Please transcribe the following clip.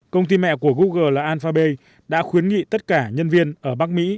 công ty mẹ của google là alphabet đã khuyến nghị tất cả nhân viên ở bắc mỹ